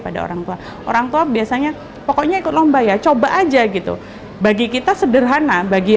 pada orang tua orang tua biasanya pokoknya ikut lomba ya coba aja gitu bagi kita sederhana bagi